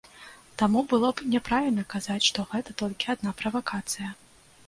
Таму было б няправільна казаць, што гэта толькі адна правакацыя.